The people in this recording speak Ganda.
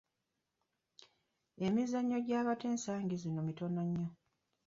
Emizannyo gy'abato egy'ensangi zino mitono nnyo.